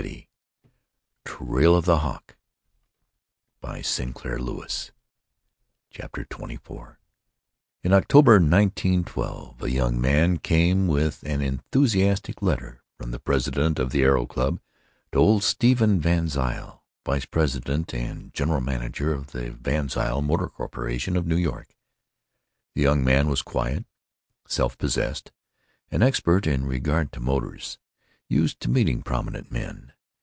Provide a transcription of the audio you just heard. Part III THE ADVENTURE OF LOVE CHAPTER XXIV n October, 1912, a young man came with an enthusiastic letter from the president of the Aero Club to old Stephen VanZile, vice president and general manager of the VanZile Motor Corporation of New York. The young man was quiet, self possessed, an expert in regard to motors, used to meeting prominent men.